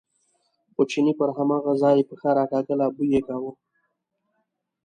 خو چیني پر هماغه ځای پښه راکاږله، بوی یې کاوه.